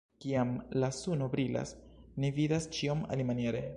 Kiam la suno brilas, ni vidas ĉion alimaniere.